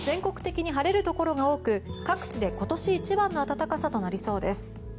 全国的に晴れるところが多く各地で今年一番の暖かさとなりそうです。